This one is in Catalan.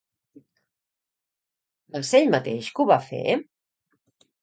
Va ser ell mateix que ho va fer?